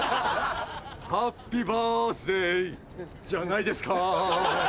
ハッピーバースデーじゃないですか？